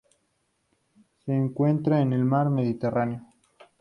Se encuentra en el Mar Mediterráneo.